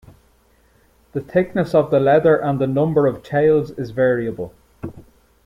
The thickness of the leather and the number of tails is variable.